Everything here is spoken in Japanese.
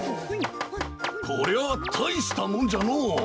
これはたいしたもんじゃのう。